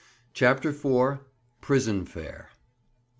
CHAPTER IV. "PRISON FARE."